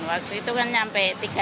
waktu itu kan sampai tiga